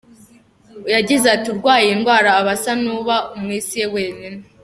Yagize ati“Urwaye iyi ndwara aba asa n’uba mu isi ye wenyine.